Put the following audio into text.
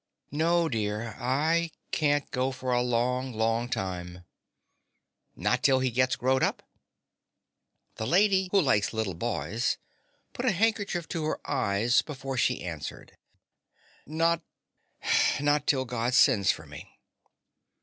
"No, dear. I can't go for a long, long time." "Not till he gets growed up?" The Lady Who Likes Little Boys put a handkerchief to her eyes before she answered. "Not ... not till God sends for me."